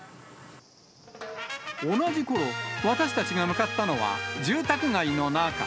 同じころ、私たちが向かったのは、住宅街の中。